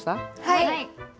はい！